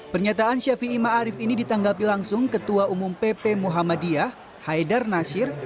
pernyataan syafi'i ma'arif ini ditanggapi langsung ketua umum pp muhammadiyah haidar nasir